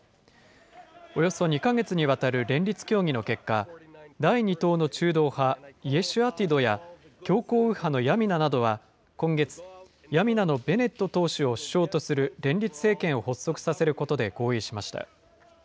およそ２か月にわたる連立協議の結果、第２党の中道派、イェシュアティドや、強硬右派のヤミナなどは今月、ヤミナのベネット党首を首相とする連立政権を発足させることで合意しました。